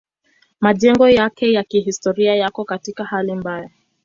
Majengo yake ya kihistoria yako katika hali mbaya.